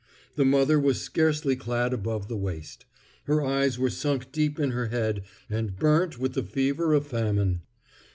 The mother was scarcely clad above the waist. Her eyes were sunk deep in her head and burnt with the fever of famine.